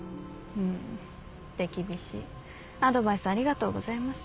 うん手厳しいアドバイスありがとうございます。